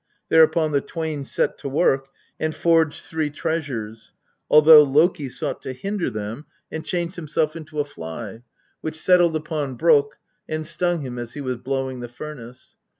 Thereupon the twain set to work and forged three treasures, although Loki sought to hinder them, and changed INTRODUCTION. xvn himself into a fly, which settled upon Brokk and stung him as he was blowing the furnace.